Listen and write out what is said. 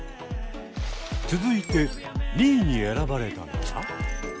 続いて２位に選ばれたのは？